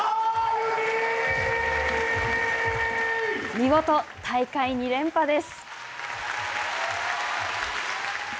見事、大会２連覇です。